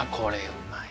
うまい！